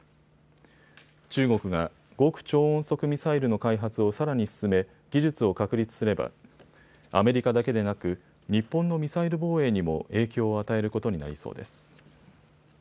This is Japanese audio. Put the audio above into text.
中国が極超音速ミサイルの開発をさらに進め技術を確立すればアメリカだけでなく日本のミサイル防衛にも影響を与えることになりそうです。